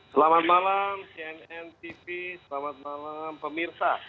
selamat malam cnn tv selamat malam pemirsa